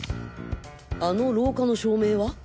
あの廊下の照明は？